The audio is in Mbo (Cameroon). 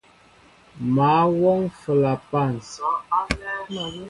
Mă wɔŋ flapan.